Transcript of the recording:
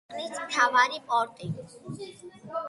ქვეყნის მთავარი პორტი.